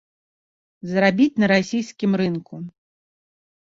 Зарабіць на расійскім рынку.